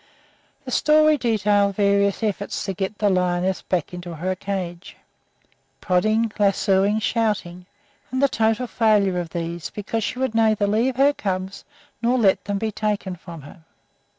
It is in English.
The story detailed various efforts to get the lioness back into her cage prodding, lassoing, shouting and the total failure of these because she would neither leave her cubs nor let them be taken from her.